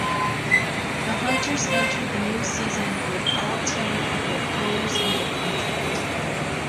The Hunters enter the new season with all ten of their players under contract.